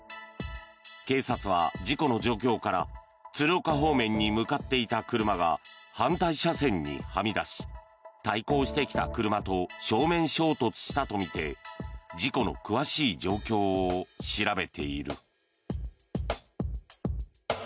警察は、事故の状況から鶴岡方面に向かっていた車が反対車線にはみ出し対向してきた車と正面衝突したとみて事故の詳しい状況を調べている。